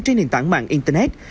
trên nền tảng mạng internet